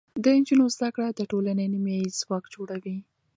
د نجونو زده کړه د ټولنې نیمایي ځواک جوړوي.